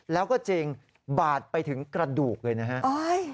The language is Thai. แล้วก็จริงบาดไปถึงกระดูกเลยนะฮะ